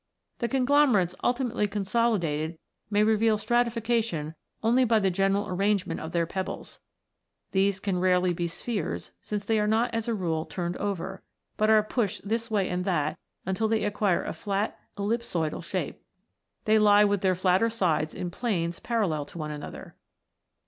The conglomerates ultimately consolidated may reveal stratification only by the general arrangement of their pebbles. These can rarely be spheres, since they are not as a rule turned over, but are pushed this way and that until they acquire a flat ellipsoidal shape. They lie with their flatter sides in planes parallel to one another.